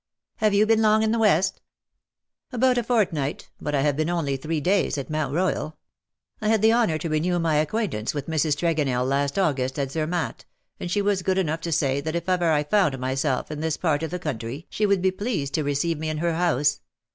" Have you been long in the West?'' " About a fortnight, but I have been only three days at Mount Royal. I had the honour to renew my acquaintance with Mrs. Tregonell last August at Zermatt, and she was good enough to say that if I ever found myself in this part of the country she would be pleased to receive me in her house.